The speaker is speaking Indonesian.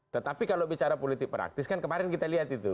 tetapi kalau bicara politik praktis kan kemarin kita lihat itu